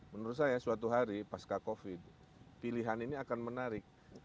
menurut saya suatu hari pasca covid pilihan ini akan menarik